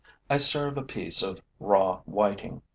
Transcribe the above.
I serve a piece of raw whiting.